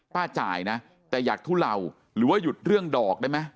จ่ายนะแต่อยากทุเลาหรือว่าหยุดเรื่องดอกได้ไหม